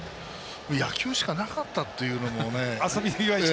野球しかなかったというかね。